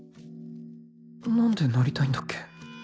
何でなりたいんだっけ？